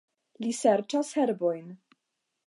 Li serĉas herbojn.